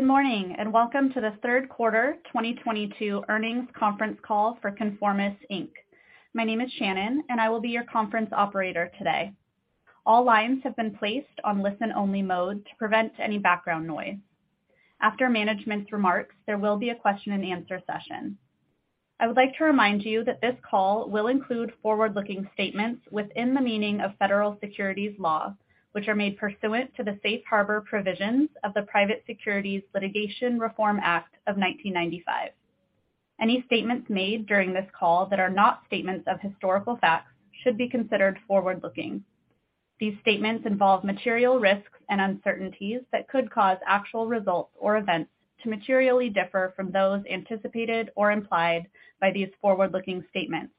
Good morning, and welcome to the third quarter 2022 earnings conference call for Conformis, Inc.. My name is Shannon, and I will be your conference operator today. All lines have been placed on listen-only mode to prevent any background noise. After management's remarks, there will be a question-and-answer session. I would like to remind you that this call will include forward-looking statements within the meaning of federal securities law, which are made pursuant to the Safe Harbor provisions of the Private Securities Litigation Reform Act of 1995. Any statements made during this call that are not statements of historical facts should be considered forward-looking. These statements involve material risks and uncertainties that could cause actual results or events to materially differ from those anticipated or implied by these forward-looking statements,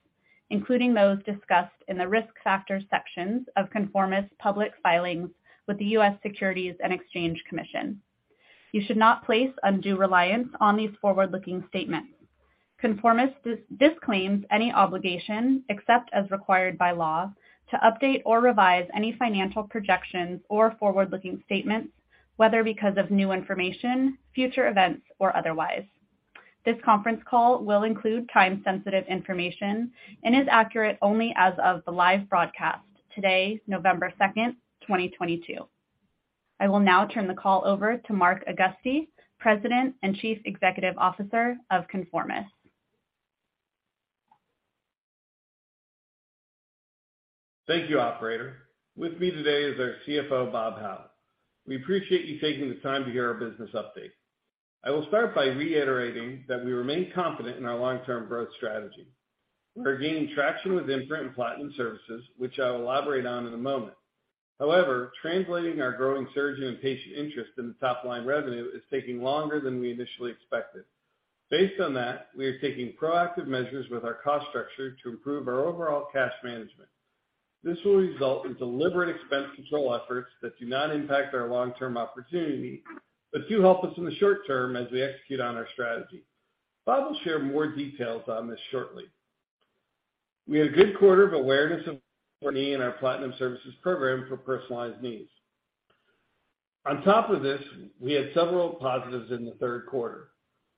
including those discussed in the Risk Factors sections of Conformis' public filings with the U.S. Securities and Exchange Commission. You should not place undue reliance on these forward-looking statements. Conformis disclaims any obligation, except as required by law, to update or revise any financial projections or forward-looking statements, whether because of new information, future events, or otherwise. This conference call will include time-sensitive information and is accurate only as of the live broadcast today, November 2, 2022. I will now turn the call over to Mark Augusti, President and Chief Executive Officer of Conformis. Thank you, operator. With me today is our CFO, Bob Howe. We appreciate you taking the time to hear our business update. I will start by reiterating that we remain confident in our long-term growth strategy. We are gaining traction with Imprint and Platinum Services, which I will elaborate on in a moment. However, translating our growing surgeon and patient interest in the top-line revenue is taking longer than we initially expected. Based on that, we are taking proactive measures with our cost structure to improve our overall cash management. This will result in deliberate expense control efforts that do not impact our long-term opportunity but do help us in the short term as we execute on our strategy. Bob will share more details on this shortly. We had a good quarter of awareness of our knee and our Platinum Services program for personalized knees. On top of this, we had several positives in the third quarter.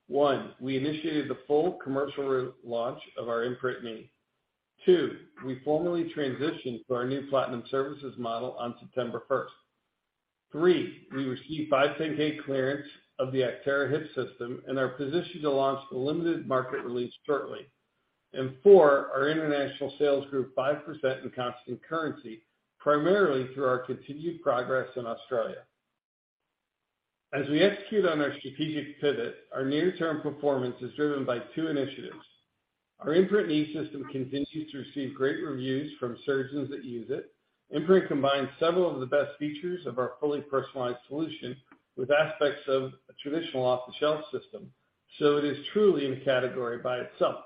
One, we initiated the full commercial re-launch of our Imprint knee. Two, we formally transitioned to our new Platinum Services model on September first. Three, we received 510(k) clearance of the Actera Hip System and are positioned to launch the limited market release shortly. Four, our international sales grew 5% in constant currency, primarily through our continued progress in Australia. As we execute on our strategic pivot, our near-term performance is driven by two initiatives. Our Imprint knee system continues to receive great reviews from surgeons that use it. Imprint combines several of the best features of our fully personalized solution with aspects of a traditional off-the-shelf system, so it is truly in a category by itself.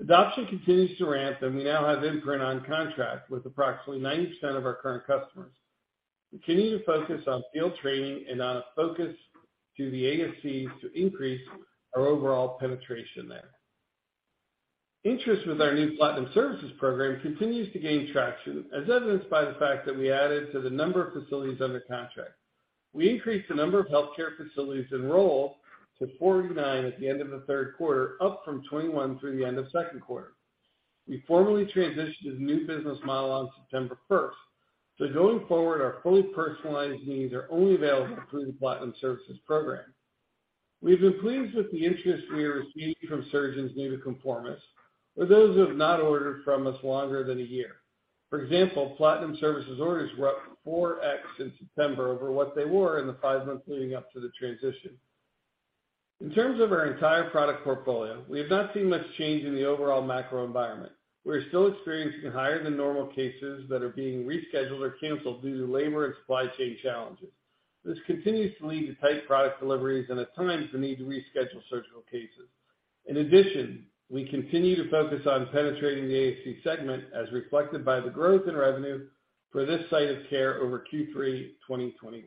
Adoption continues to ramp, and we now have Imprint on contract with approximately 90% of our current customers. We continue to focus on field training and on focusing on the ASCs to increase our overall penetration there. Interest with our new Platinum Services Program continues to gain traction, as evidenced by the fact that we added to the number of facilities under contract. We increased the number of healthcare facilities enrolled to 49 at the end of the third quarter, up from 21 through the end of second quarter. We formally transitioned to the new business model on September 1. Going forward, our fully personalized knees are only available through the Platinum Services Program. We've been pleased with the interest we are receiving from surgeons new to Conformis or those who have not ordered from us longer than a year. For example, platinum services orders were up 4x in September over what they were in the five months leading up to the transition. In terms of our entire product portfolio, we have not seen much change in the overall macro environment. We are still experiencing higher than normal cases that are being rescheduled or canceled due to labor and supply chain challenges. This continues to lead to tight product deliveries and at times the need to reschedule surgical cases. In addition, we continue to focus on penetrating the ASC segment as reflected by the growth in revenue for this site of care over Q3 2021.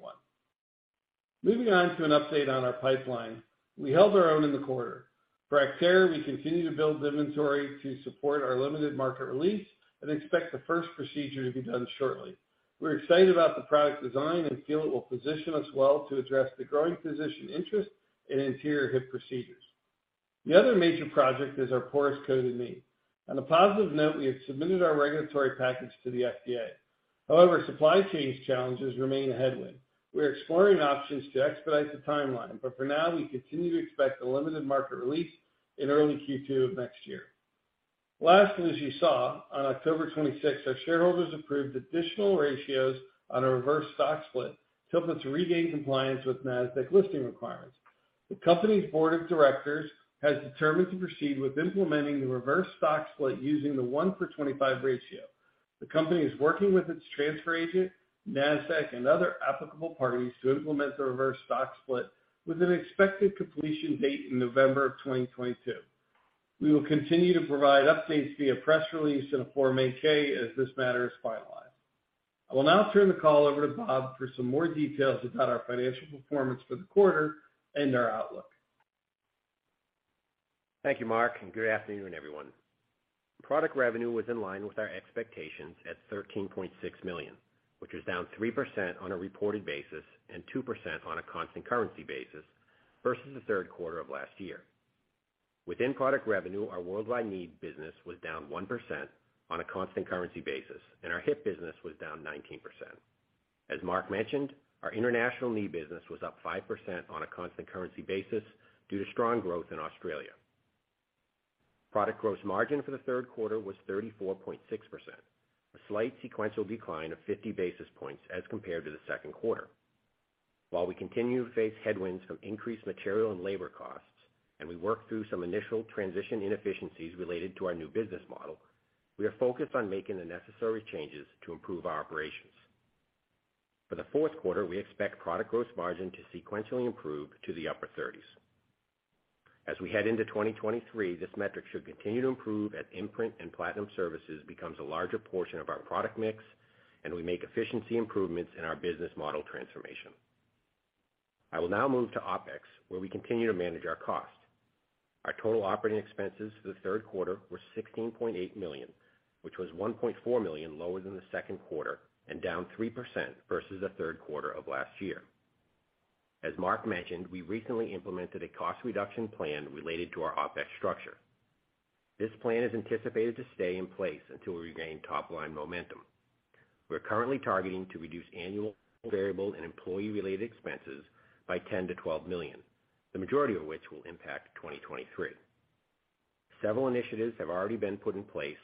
Moving on to an update on our pipeline. We held our own in the quarter. For Actera, we continue to build the inventory to support our limited market release and expect the first procedure to be done shortly. We're excited about the product design and feel it will position us well to address the growing physician interest in anterior hip procedures. The other major project is our porous coated knee. On a positive note, we have submitted our regulatory package to the FDA. However, supply chain challenges remain a headwind. We are exploring options to expedite the timeline, but for now we continue to expect a limited market release in early Q2 of next year. Last, and as you saw, on October 26th, our shareholders approved additional ratios on a reverse stock split to help us regain compliance with Nasdaq listing requirements. The company's board of directors has determined to proceed with implementing the reverse stock split using the 1-for-25 ratio. The company is working with its transfer agent, Nasdaq, and other applicable parties to implement the reverse stock split with an expected completion date in November of 2022. We will continue to provide updates via press release in a Form 8-K as this matter is finalized. I will now turn the call over to Bob for some more details about our financial performance for the quarter and our outlook. Thank you, Mark, and good afternoon, everyone. Product revenue was in line with our expectations at $13.6 million, which was down 3% on a reported basis and 2% on a constant currency basis versus the third quarter of last year. Within product revenue, our worldwide knee business was down 1% on a constant currency basis, and our hip business was down 19%. As Mark mentioned, our international knee business was up 5% on a constant currency basis due to strong growth in Australia. Product gross margin for the third quarter was 34.6%, a slight sequential decline of 50 basis points as compared to the second quarter. While we continue to face headwinds from increased material and labor costs, and we work through some initial transition inefficiencies related to our new business model, we are focused on making the necessary changes to improve our operations. For the fourth quarter, we expect product gross margin to sequentially improve to the upper 30s%. As we head into 2023, this metric should continue to improve as Imprint and Platinum Services becomes a larger portion of our product mix, and we make efficiency improvements in our business model transformation. I will now move to OpEx, where we continue to manage our cost. Our total operating expenses for the third quarter were $16.8 million, which was $1.4 million lower than the second quarter and down 3% versus the third quarter of last year. As Mark mentioned, we recently implemented a cost reduction plan related to our OpEx structure. This plan is anticipated to stay in place until we regain top-line momentum. We're currently targeting to reduce annual variable and employee-related expenses by $10 million-$12 million, the majority of which will impact 2023. Several initiatives have already been put in place,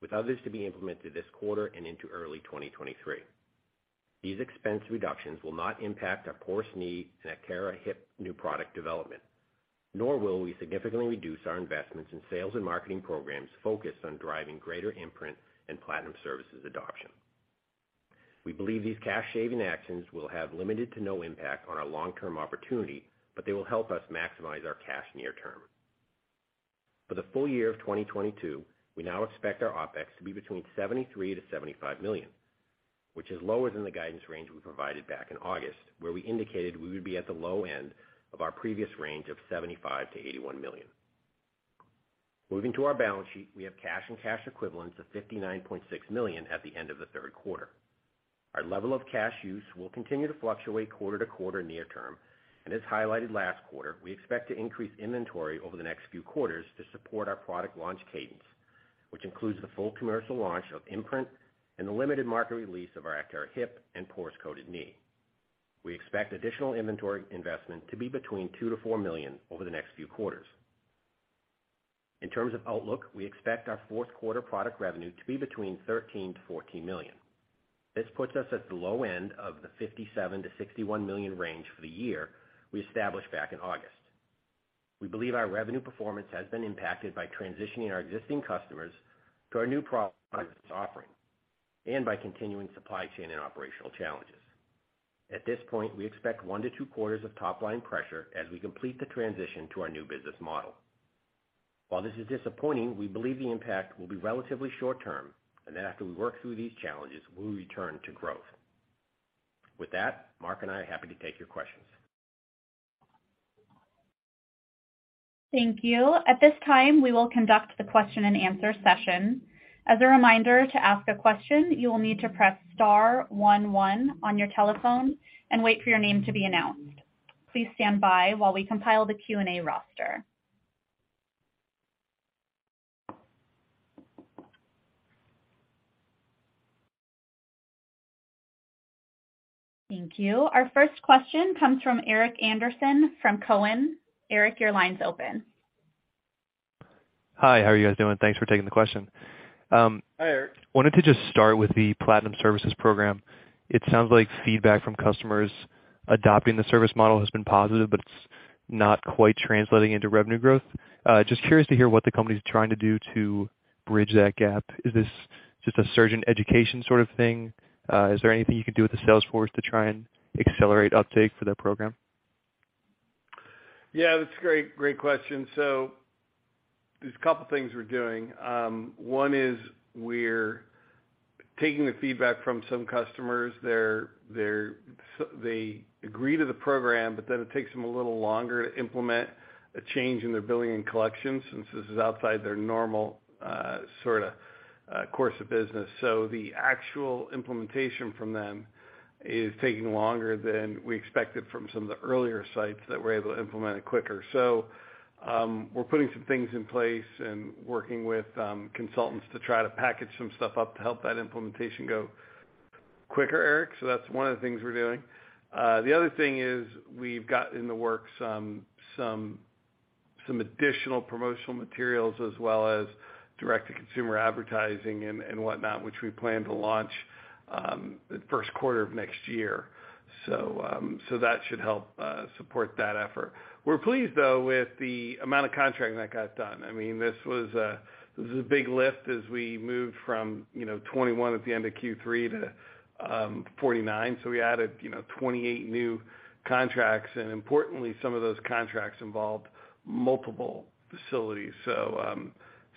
with others to be implemented this quarter and into early 2023. These expense reductions will not impact our porous knee and Actera hip new product development, nor will we significantly reduce our investments in sales and marketing programs focused on driving greater Imprint and platinum services adoption. We believe these cash-shaving actions will have limited to no impact on our long-term opportunity, but they will help us maximize our cash near term. For the full year of 2022, we now expect our OpEx to be between $73 million-$75 million, which is lower than the guidance range we provided back in August, where we indicated we would be at the low end of our previous range of $75 million-$81 million. Moving to our balance sheet, we have cash and cash equivalents of $59.6 million at the end of the third quarter. Our level of cash use will continue to fluctuate quarter to quarter near term, and as highlighted last quarter, we expect to increase inventory over the next few quarters to support our product launch cadence, which includes the full commercial launch of Imprint and the limited market release of our Actera hip and porous-coated knee. We expect additional inventory investment to be between $2 million-$4 million over the next few quarters. In terms of outlook, we expect our fourth quarter product revenue to be between $13 million-$14 million. This puts us at the low end of the $57 million-$61 million range for the year we established back in August. We believe our revenue performance has been impacted by transitioning our existing customers to our new product offering and by continuing supply chain and operational challenges. At this point, we expect 1-2 quarters of top-line pressure as we complete the transition to our new business model. While this is disappointing, we believe the impact will be relatively short term, and then after we work through these challenges, we'll return to growth. With that, Mark and I are happy to take your questions. Thank you. At this time, we will conduct the question-and-answer session. As a reminder, to ask a question, you will need to press star one one on your telephone and wait for your name to be announced. Please stand by while we compile the Q&A roster. Thank you. Our first question comes from Eric Anderson from Cowen. Eric, your line's open. Hi, how are you guys doing? Thanks for taking the question. Hi, Eric. Wanted to just start with the Platinum Services Program. It sounds like feedback from customers adopting the service model has been positive, but it's not quite translating into revenue growth. Just curious to hear what the company is trying to do to bridge that gap. Is this just a surgeon education sort of thing? Is there anything you can do with the sales force to try and accelerate uptake for that program? Yeah, that's a great question. There's a couple of things we're doing. One is we're taking the feedback from some customers. They agree to the program, but then it takes them a little longer to implement a change in their billing and collection since this is outside their normal, sorta, course of business. The actual implementation from them is taking longer than we expected from some of the earlier sites that were able to implement it quicker. We're putting some things in place and working with consultants to try to package some stuff up to help that implementation go quicker, Eric. That's one of the things we're doing. The other thing is we've got in the works some additional promotional materials as well as direct-to-consumer advertising and whatnot, which we plan to launch the first quarter of next year. That should help support that effort. We're pleased, though, with the amount of contracting that got done. I mean, this was a big lift as we moved from, you know, 21 at the end of Q3 to 49. We added, you know, 28 new contracts, and importantly, some of those contracts involved multiple facilities.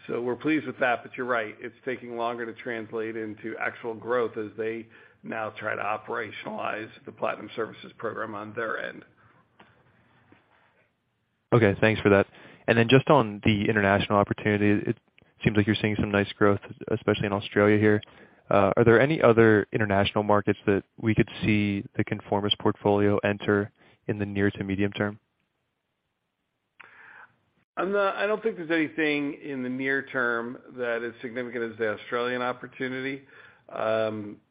We're pleased with that, but you're right, it's taking longer to translate into actual growth as they now try to operationalize the Platinum Services Program on their end. Okay. Thanks for that. Just on the international opportunity, it seems like you're seeing some nice growth, especially in Australia here. Are there any other international markets that we could see the Conformis portfolio enter in the near to medium term? I don't think there's anything in the near term that is significant as the Australian opportunity.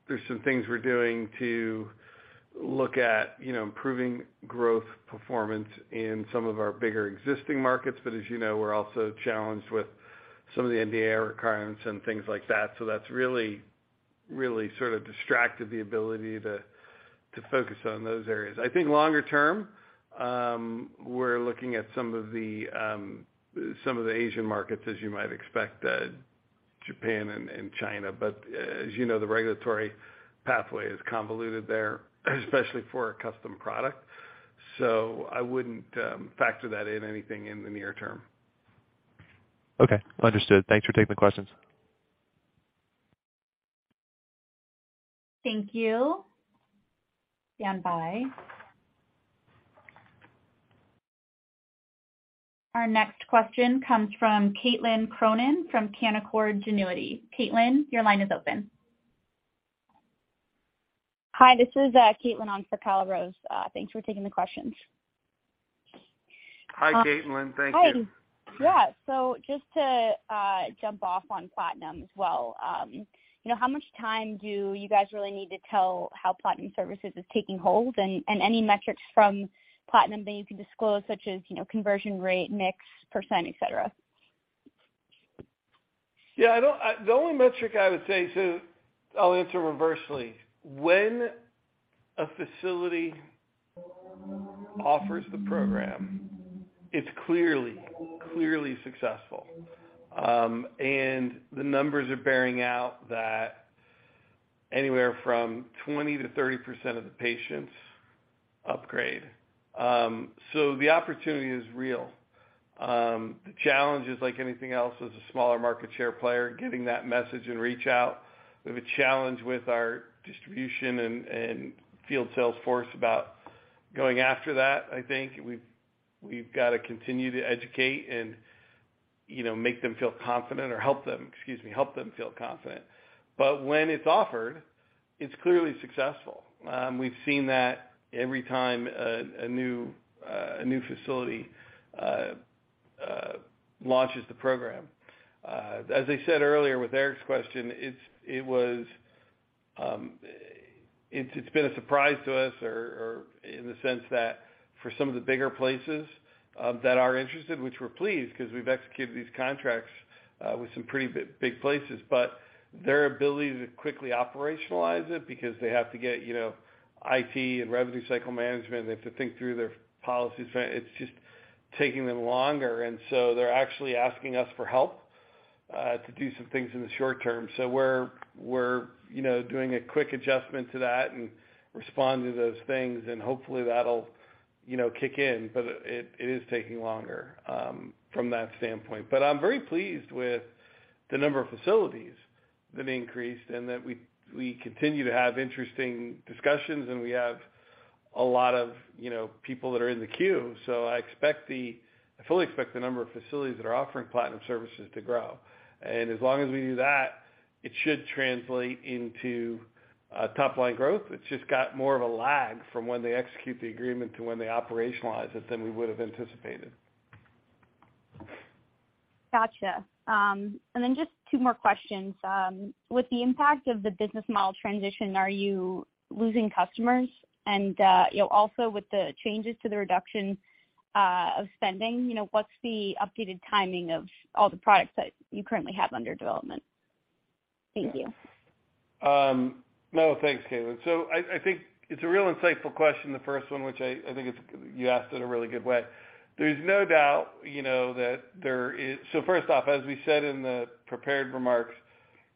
There's some things we're doing to look at, you know, improving growth performance in some of our bigger existing markets. As you know, we're also challenged with some of the NDAA requirements and things like that. That's really sort of distracted the ability to focus on those areas. I think longer term, we're looking at some of the Asian markets, as you might expect, Japan and China. As you know, the regulatory pathway is convoluted there, especially for a custom product. I wouldn't factor that into anything in the near term. Okay. Understood. Thanks for taking the questions. Thank you. Stand by. Our next question comes from Caitlin Cronin from Canaccord Genuity. Caitlin, your line is open. Hi, this is Caitlin on for Kyle Rose. Thanks for taking the questions. Hi, Caitlin. Thank you. Hi. Yeah. Just to jump off on Platinum as well, you know, how much time do you guys really need to tell how Platinum Services is taking hold? Any metrics from Platinum that you can disclose, such as, you know, conversion rate, mix percent, et cetera. The only metric I would say. I'll answer reversely. When a facility offers the program, it's clearly successful. The numbers are bearing out that anywhere from 20%-30% of the patients upgrade. The opportunity is real. The challenge is like anything else, as a smaller market share player, getting that message and reach out. We have a challenge with our distribution and field sales force about going after that, I think. We've got to continue to educate and, you know, make them feel confident or help them, excuse me, help them feel confident. When it's offered, it's clearly successful. We've seen that every time a new facility launches the program. As I said earlier with Eric's question, it's been a surprise to us or in the sense that for some of the bigger places that are interested, which we're pleased because we've executed these contracts with some pretty big places, but their ability to quickly operationalize it because they have to get, you know, IT and revenue cycle management, they have to think through their policies. It's just taking them longer. They're actually asking us for help to do some things in the short term. We're, you know, doing a quick adjustment to that and respond to those things, and hopefully that'll, you know, kick in. It is taking longer from that standpoint. I'm very pleased with the number of facilities that increased and that we continue to have interesting discussions and we have a lot of, you know, people that are in the queue. I fully expect the number of facilities that are offering Platinum Services to grow. As long as we do that, it should translate into top line growth. It's just got more of a lag from when they execute the agreement to when they operationalize it than we would have anticipated. Gotcha. Just two more questions. With the impact of the business model transition, are you losing customers? You know, also with the changes to the reduction of spending, you know, what's the updated timing of all the products that you currently have under development? Thank you. No, thanks, Caitlin. I think it's a real insightful question, the first one, which I think you asked in a really good way. There's no doubt, you know, that there is. First off, as we said in the prepared remarks,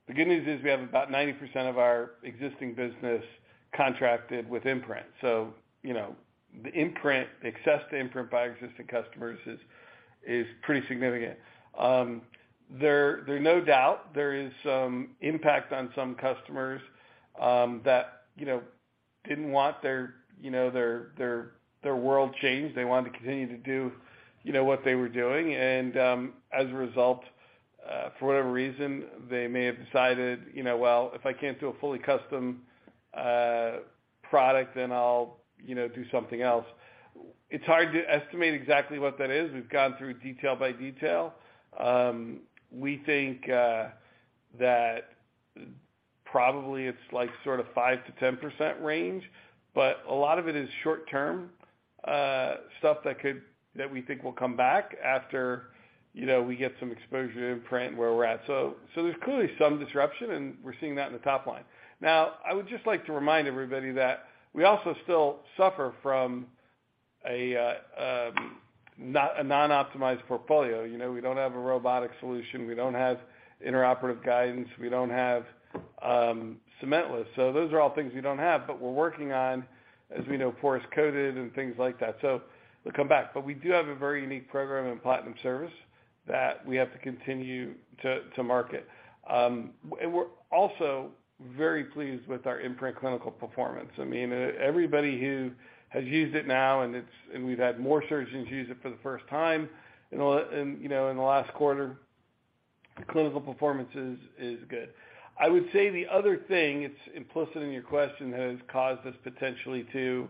the good news is we have about 90% of our existing business contracted with Imprint. You know, the Imprint, access to Imprint by existing customers is pretty significant. There is no doubt there is some impact on some customers that you know didn't want their you know their world changed. They wanted to continue to do you know what they were doing. As a result, for whatever reason, they may have decided you know well if I can't do a fully custom product then I'll you know do something else. It's hard to estimate exactly what that is. We've gone through detail by detail. We think that probably it's like sort of 5%-10% range, but a lot of it is short term stuff that we think will come back after, you know, we get some exposure to Imprint where we're at. There's clearly some disruption, and we're seeing that in the top line. Now, I would just like to remind everybody that we also still suffer from a non-optimized portfolio. You know, we don't have a robotic solution. We don't have intraoperative guidance. We don't have cementless. Those are all things we don't have, but we're working on, as we know, porous-coated and things like that. We'll come back. We do have a very unique program in platinum service that we have to continue to market. We're also very pleased with our Imprint clinical performance. I mean, everybody who has used it now, and it's, and we've had more surgeons use it for the first time in, you know, in the last quarter. The clinical performance is good. I would say the other thing, it's implicit in your question, has caused us potentially to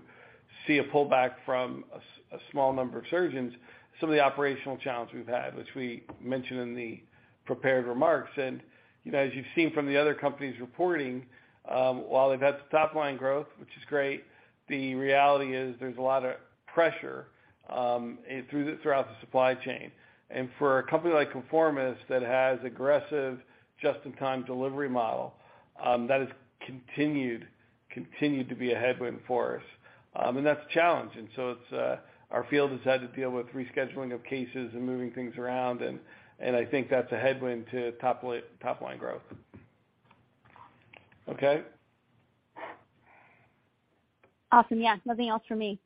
see a pullback from a small number of surgeons, some of the operational challenges we've had, which we mentioned in the prepared remarks. You know, as you've seen from the other companies reporting, while they've had the top line growth, which is great, the reality is there's a lot of pressure throughout the supply chain. For a company like Conformis that has aggressive just-in-time delivery model, that has continued to be a headwind for us. That's a challenge. It's our field has had to deal with rescheduling of cases and moving things around and I think that's a headwind to top line growth. Okay? Awesome. Yeah, nothing else from me.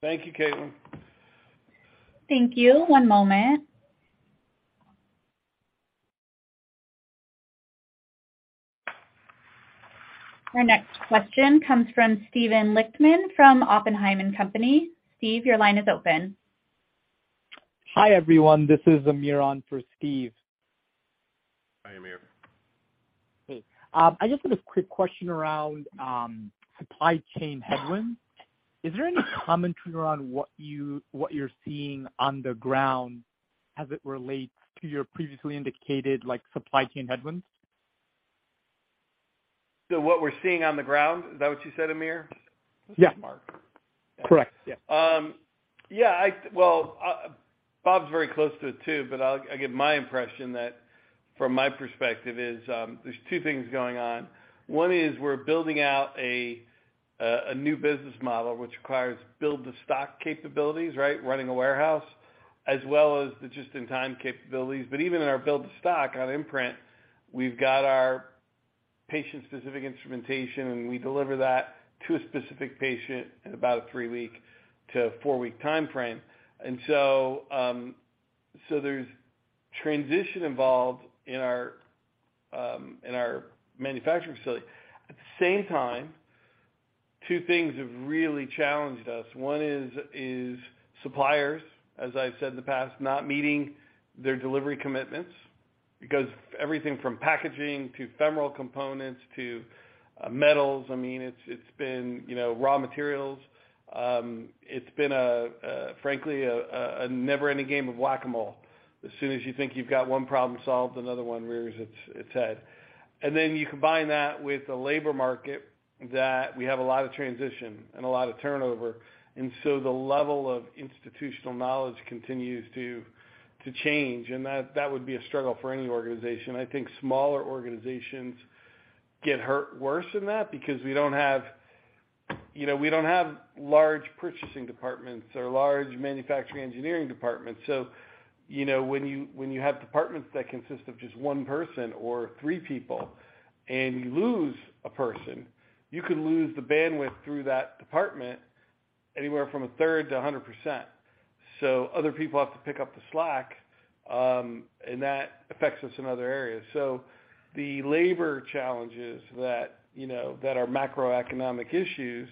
Thank you, Caitlin. Thank you. One moment. Our next question comes from Steven Lichtman from Oppenheimer & Co. Steve, your line is open. Hi, everyone. This is Amir on for Steve. Hi, Amir. Hey. I just have a quick question around supply chain headwinds. Is there any commentary around what you're seeing on the ground as it relates to your previously indicated, like, supply chain headwinds? What we're seeing on the ground, is that what you said, Amir? Yeah. Mark? Correct, yeah. Yeah, well, Bob's very close to it too, but I'll give my impression that from my perspective is, there's two things going on. One is we're building out a new business model, which requires build-to-stock capabilities, right? Running a warehouse, as well as the just-in-time capabilities. Even in our build-to-stock on Imprint, we've got our patient-specific instrumentation, and we deliver that to a specific patient in about a 3-week to 4-week timeframe. There's transition involved in our manufacturing facility. At the same time, two things have really challenged us. One is suppliers, as I've said in the past, not meeting their delivery commitments because everything from packaging to femoral components to metals, I mean, it's been, you know, raw materials. It's been frankly a never-ending game of Whac-A-Mole. As soon as you think you've got one problem solved, another one rears its head. You combine that with the labor market, that we have a lot of transition and a lot of turnover, and so the level of institutional knowledge continues to change, and that would be a struggle for any organization. I think smaller organizations get hurt worse than that because we don't have, you know, we don't have large purchasing departments or large manufacturing engineering departments. You know, when you have departments that consist of just one person or three people, and you lose a person, you could lose the bandwidth through that department anywhere from a third to 100%. Other people have to pick up the slack, and that affects us in other areas. The labor challenges that, you know, that are macroeconomic issues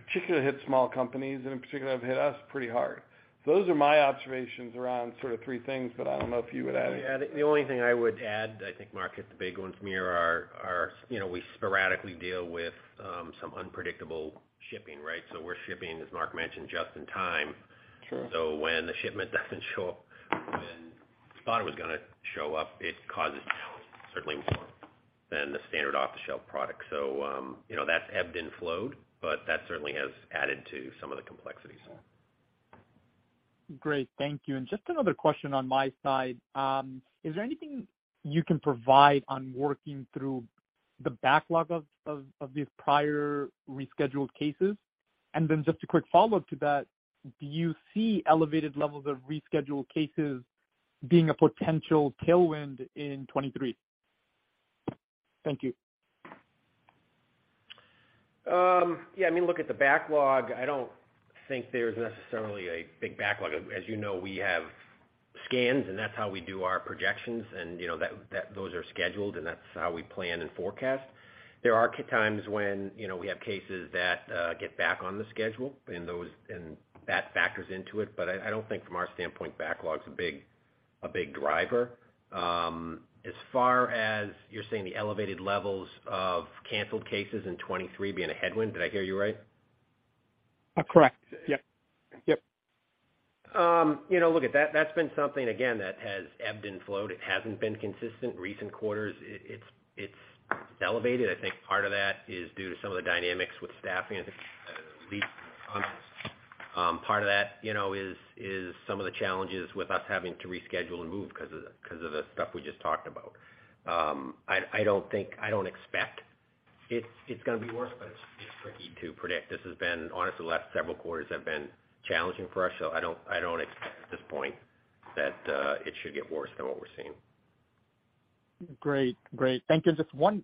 particularly hit small companies and in particular have hit us pretty hard. Those are my observations around sort of three things, but I don't know if you would add anything. Yeah, the only thing I would add, I think, Mark hit the big ones, Amir, are you know, we sporadically deal with some unpredictable shipping, right? We're shipping, as Mark mentioned, just in time. Sure. When the shipment doesn't show up when we thought it was gonna show up, it causes challenges, certainly more than the standard off-the-shelf product. You know, that's ebbed and flowed, but that certainly has added to some of the complexities. Great. Thank you. Just another question on my side. Is there anything you can provide on working through the backlog of these prior rescheduled cases? Then just a quick follow-up to that, do you see elevated levels of rescheduled cases being a potential tailwind in 2023? Thank you. Yeah, I mean, look at the backlog. I don't think there's necessarily a big backlog. As you know, we have scans, and that's how we do our projections and, you know, those are scheduled, and that's how we plan and forecast. There are times when, you know, we have cases that get back on the schedule and that factors into it. I don't think from our standpoint backlog's a big driver. As far as you're saying the elevated levels of canceled cases in 2023 being a headwind, did I hear you right? Correct. Yep. Yep. You know, look, at that's been something, again, that has ebbed and flowed. It hasn't been consistent. Recent quarters it's elevated. I think part of that is due to some of the dynamics with staffing. I think leads and sponsors. Part of that, you know, is some of the challenges with us having to reschedule and move 'cause of the stuff we just talked about. I don't expect it's gonna be worse, but it's tricky to predict. This has been, honestly, the last several quarters have been challenging for us, so I don't expect at this point that it should get worse than what we're seeing. Great. Thank you. Just one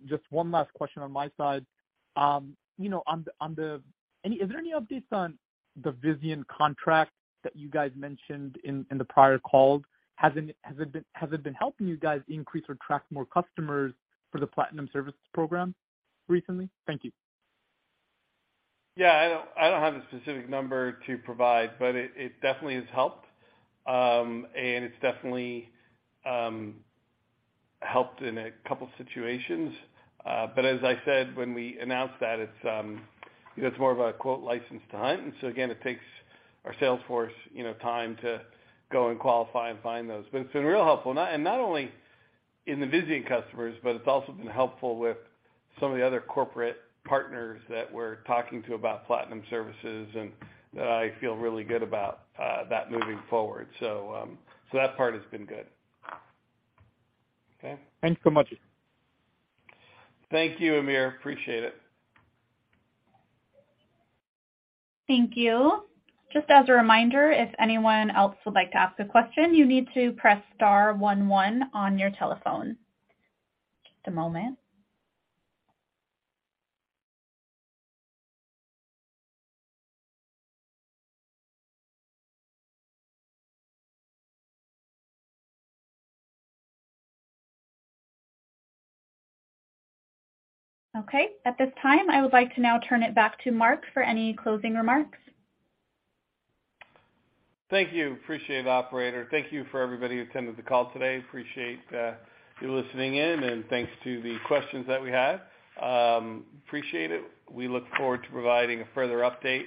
last question on my side. You know, is there any updates on the Vizient contract that you guys mentioned in the prior calls? Has it been helping you guys increase or attract more customers for the Platinum Services Program recently? Thank you. Yeah. I don't have a specific number to provide, but it definitely has helped. It's definitely helped in a couple situations. As I said when we announced that, it's, you know, it's more of a quote, "license to hunt." Again, it takes our sales force, you know, time to go and qualify and find those. It's been real helpful. Not only in the Vizient customers, but it's also been helpful with some of the other corporate partners that we're talking to about platinum services and that I feel really good about that moving forward. So that part has been good. Okay. Thank you so much. Thank you, Amir. Appreciate it. Thank you. Just as a reminder, if anyone else would like to ask a question, you need to press star one one on your telephone. Just a moment. Okay. At this time, I would like to now turn it back to Mark for any closing remarks. Thank you. Appreciate it, operator. Thank you for everybody who attended the call today. Appreciate you listening in and thanks to the questions that we had. Appreciate it. We look forward to providing a further update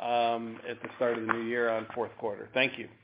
at the start of the new year on fourth quarter. Thank you.